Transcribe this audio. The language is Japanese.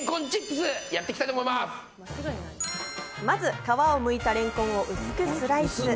まず皮をむいたれんこんを薄くスライス。